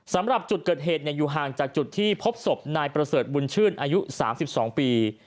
สำหรับจุดเกิดเหตุอยู่ห่างจากจุดที่พบศพนายประเสริฐบุญชื่นอายุ๓๒ปี